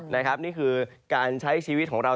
นี่คือการใช้ชีวิตของเรา